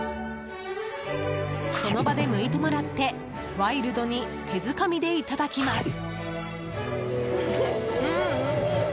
その場で剥いてもらってワイルドに手づかみでいただききます。